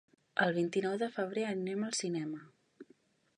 El vint-i-nou de febrer anem al cinema.